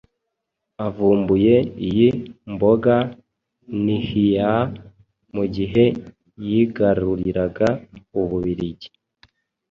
Avumbuye iyi mboga nhya mugihe yigaruriraga, ububirigi